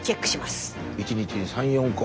１日に３４個。